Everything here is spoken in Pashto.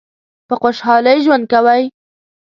په خوشحالی ژوند کوی؟